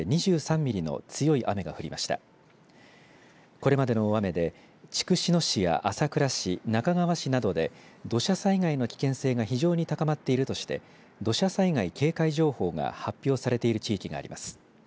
これまでの大雨で筑紫野市や朝倉市那珂川市などで土砂災害の危険性が非常に高まっているとして土砂災害警戒情報が発表されている地域があります。